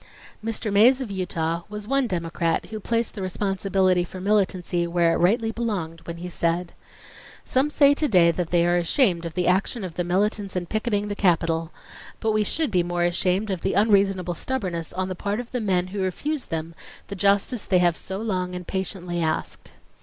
Mr. Mays of Utah was one Democrat who placed the responsibility for militancy where it rightly belonged when he said: "Some say to day that they are ashamed of the action of the militants in picketing the Capitol: ... But we should be more ashamed of the unreasonable stubbornness on the part of the men who refused them the justice they have so long and patiently asked."